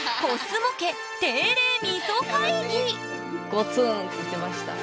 ゴツンっていってました。